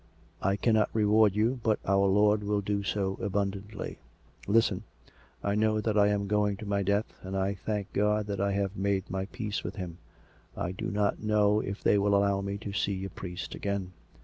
... I cannot reward you, but our Lord will do so abundantly. ... Listen, I know that I am going to my death, and I thank God that I have made my peace with Him. I do not know if they will allow me to see a priest again.